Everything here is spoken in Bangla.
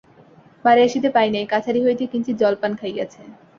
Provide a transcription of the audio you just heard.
বাড়ি আসিতে পায় নাই, কাছারি হইতেই কিঞ্চিৎ জলপান খাইয়াছে।